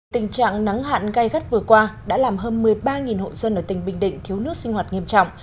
tình trạng nắng hạn gai gắt vừa qua đã làm hơn một mươi ba hộ dân ở tỉnh bình định thiếu nước sinh hoạt nghiêm trọng